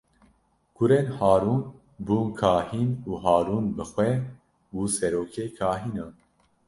Kurên Harûn bûn kahîn û Harûn bi xwe bû serokê kahînan.